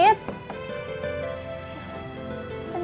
ya itu dong